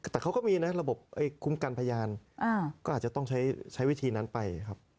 แต่เขาก็มีนะระบบคุ้มกันพยานก็อาจจะต้องใช้วิธีนั้นไปครับ